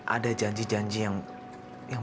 ada janji janji yang